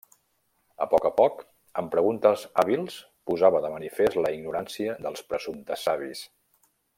A poc a poc, amb preguntes hàbils posava de manifest la ignorància dels presumptes savis.